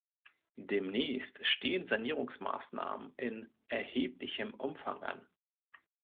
Demnächst stehen Sanierungsmaßnahmen in erheblichem Umfang an.